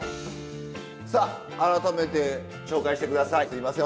さあ改めて紹介して下さい。